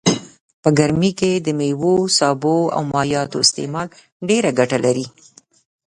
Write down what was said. په ګرمي کي دميوو سابو او مايعاتو استعمال ډيره ګټه لرئ